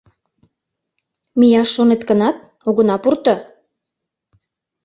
Мияш шонет гынат, огына пурто.